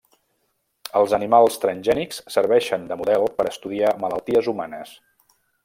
Els animals transgènics serveixen de model per a estudiar malalties humanes.